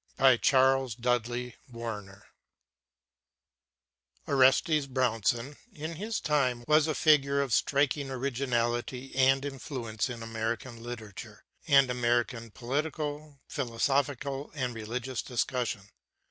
R.B. ORESTES AUGUSTUS BROWNSON (1803 1876) Orestes Brownson, in his time, was a figure of striking originality and influence in American literature and American political, philosophical, and religious discussion.